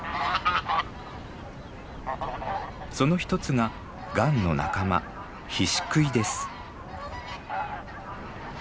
その一つがガンの仲間ヒシクイです。